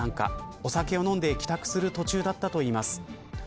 お酒を飲んで帰宅する途中だったといいます。